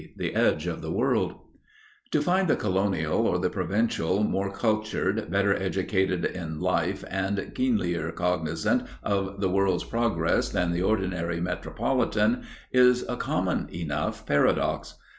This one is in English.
*The Edge of the World* To find the colonial or the provincial more cultured, better educated in life and keenlier cognizant of the world's progress than the ordinary metropolitan, is a common enough paradox.